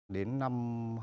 đến năm hai nghìn sáu